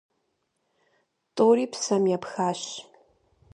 ТӀури псэм епхащ.